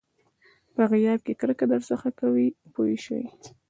په غیاب کې کرکه درڅخه کوي پوه شوې!.